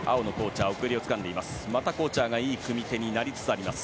またコーチャーがいい組み手になりつつあります。